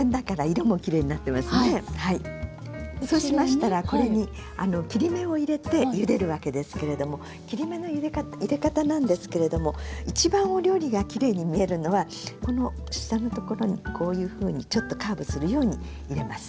そうしましたらこれに切り目を入れてゆでるわけですけれども切り目の入れ方なんですけれども一番お料理がきれいに見えるのはこの下のところにこういうふうにちょっとカーブするように入れます。